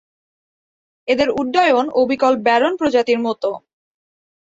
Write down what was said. এদের উড্ডয়ন অবিকল ব্যারন প্রজাতির মত।